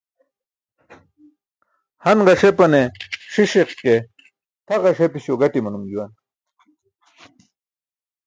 Han ġasepane siṣiq ke tʰa ġasepi̇śo gaṭi̇ manum juwan.